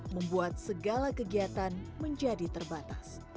membuat segala kegiatan menjadi terbatas